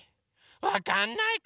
わかんないかな